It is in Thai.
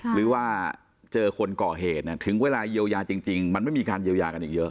หรือว่าเจอคนก่อเหตุถึงเวลาเยียวยาจริงมันไม่มีการเยียวยากันอีกเยอะ